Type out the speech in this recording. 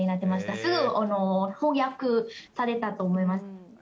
すぐ翻訳されたと思います。